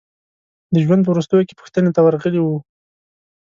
د ژوند په وروستیو کې پوښتنې ته ورغلي وو.